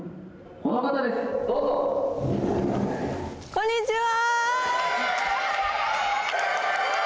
こんにちは！